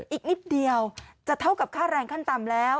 อีกนิดเดียวจะเท่ากับค่าแรงขั้นต่ำแล้ว